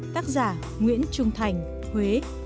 tác giả nguyễn trung thành huế